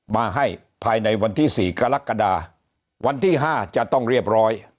มาให้ภายในวันที่๔กรกฎาวันที่๕จะต้องเรียบร้อย